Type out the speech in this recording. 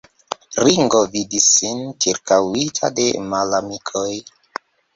Ringo vidis sin ĉirkaŭita de malamikoj.